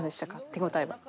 手応えは。